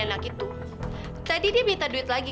dan lagi tuh tadi dia minta duit lagi